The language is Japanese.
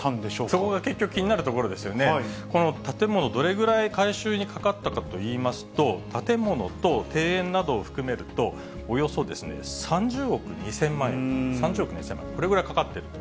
そこが結局、気になるところこの建物、どれぐらい改修にかかったかといいますと、建物と庭園などを含めると、およそ３０億２０００万円、これぐらいかかっていると。